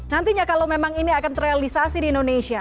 nantinya kalau memang ini akan terrealisasi di indonesia